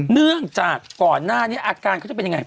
เนื่องจากก่อนหน้านี้อาการเขาจะเป็นยังไง